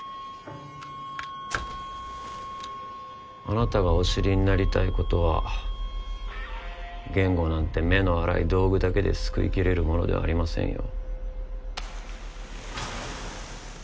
あなたがお知りになりたいことは言語なんて目の粗い道具だけですくいきれるものではありませんよ。